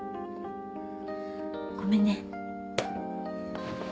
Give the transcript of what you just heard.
ごめんね。